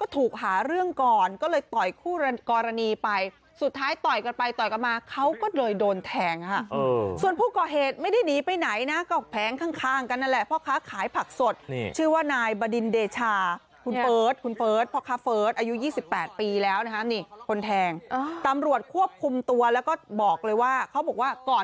ก็ถูกหาเรื่องก่อนก็เลยต่อยคู่กรณีไปสุดท้ายต่อยกันไปต่อยกันมาเขาก็เลยโดนแทงค่ะส่วนผู้ก่อเหตุไม่ได้หนีไปไหนนะก็แผงข้างกันนั่นแหละพ่อค้าขายผักสดชื่อว่านายบดินเดชาคุณเฟิร์สคุณเฟิร์สพ่อค้าเฟิร์สอายุ๒๘ปีแล้วนะคะนี่คนแทงตำรวจควบคุมตัวแล้วก็บอกเลยว่าเขาบอกว่าก่อน